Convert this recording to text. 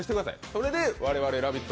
それで我々「ラヴィット！」